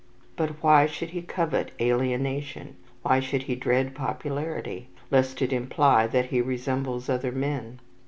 But why should he covet alienation? Why should he dread popularity, lest it imply that he resembles other men?